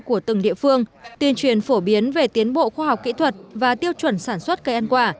của từng địa phương tuyên truyền phổ biến về tiến bộ khoa học kỹ thuật và tiêu chuẩn sản xuất cây ăn quả